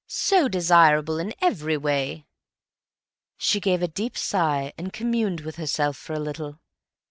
So desirable in every way." She gave a deep sigh, and communed with herself for a little.